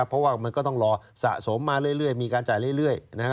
เพราะว่ามันก็ต้องรอสะสมมาเรื่อยมีการจ่ายเรื่อย